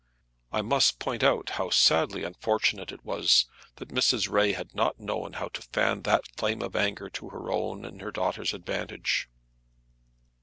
I must point out how sadly unfortunate it was that Mrs. Ray had not known how to fan that flame of anger to her own and her daughter's advantage.